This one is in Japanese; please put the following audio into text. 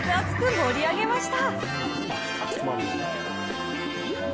盛り上げました！